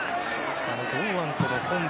堂安とのコンビ。